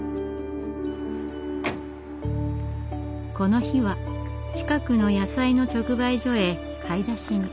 この日は近くの野菜の直売所へ買い出しに。